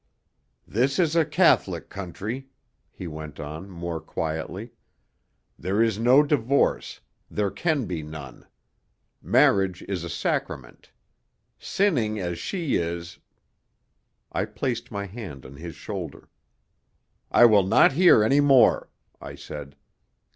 "This is a Catholic country," he went on, more quietly. "There is no divorce; there can be none. Marriage is a sacrament. Sinning as she is " I placed my hand on his shoulder. "I will not hear any more," I said.